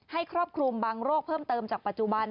ครอบคลุมบางโรคเพิ่มเติมจากปัจจุบัน